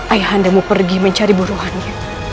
ayah anda mau pergi mencari buruhannya